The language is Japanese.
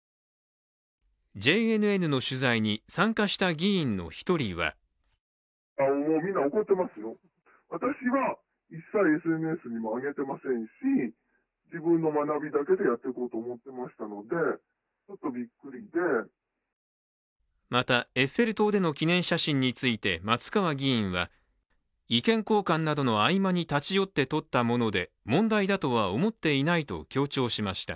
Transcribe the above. ＪＮＮの取材に参加した議員の一人はまた、エッフェル塔での記念写真について松川議員は意見交換などの合間に立ち寄って撮ったもので問題だとは思っていないと強調しました。